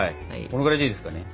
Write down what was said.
このぐらいでいいですかね？